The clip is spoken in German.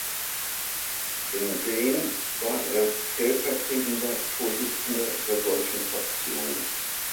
Im Sejm war er stellvertretender Vorsitzender der deutschen Fraktion.